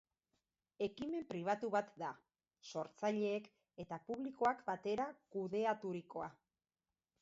Ekimen pribatu bat da, sortzaileek eta publikoak batera kudeaturikoa.